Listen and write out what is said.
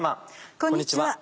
こんにちは。